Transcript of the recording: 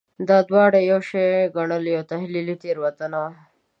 دا دواړه یو شی ګڼل یوه تحلیلي تېروتنه وه.